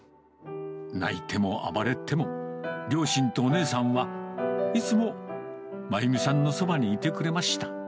泣いても暴れても、両親とお姉さんはいつも真由美さんのそばにいてくれました。